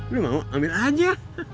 nih mau ambil aja